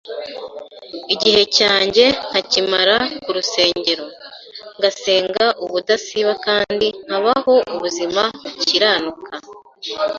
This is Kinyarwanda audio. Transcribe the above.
igihe cyanjye nkakimara ku rusengero, ngasenga ubudasiba kandi nkabaho ubuzima bukiranuka,